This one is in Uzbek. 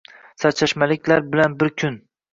Sarchashmaliklar bilan bir kunng